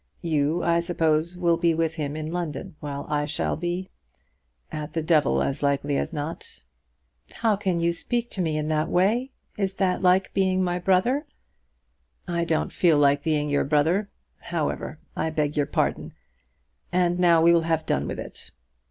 You, I suppose, will be with him in London, while I shall be, at the devil as likely as not." "How can you speak to me in that way? Is that like being my brother?" "I don't feel like being your brother. However, I beg your pardon, and now we will have done with it.